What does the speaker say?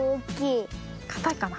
かたいかな？